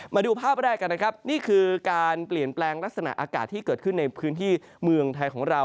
มาดูภาพแรกกันนะครับนี่คือการเปลี่ยนแปลงลักษณะอากาศที่เกิดขึ้นในพื้นที่เมืองไทยของเรา